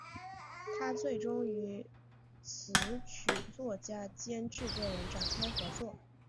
她最终与词曲作者兼制作人展开合作。